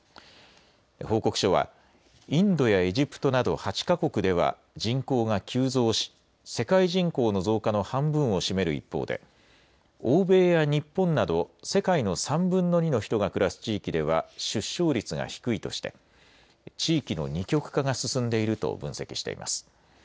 報告書はインドやエジプトなど８か国では人口が急増し世界人口の増加の半分を占める一方で欧米や日本など世界の３分の２の人が暮らす地域では出生率が低いとして地域の二極化が進んでいると分析しています。